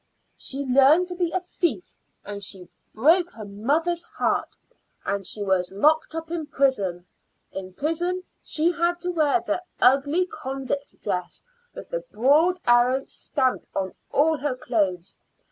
She learned to be a thief, and she broke her mother's heart, and she was locked up in prison. In prison she had to wear the ugly convict dress with the broad arrow stamped on all her clothes.